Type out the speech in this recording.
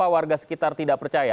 karena warga sekitar tidak percaya